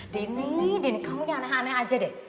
dini dini kamu yang aneh aneh aja deh